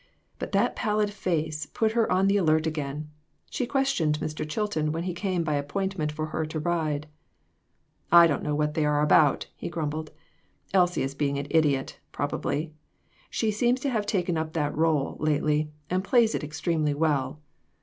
But that pallid face put her on the alert again. She questioned Mr. Chilton when he came by appointment for her to ride. " I don't know what they are about," he grum bled. " Elsie is being an idiot, probably ; she seems to have taken up that role lately, and plays it extremely well.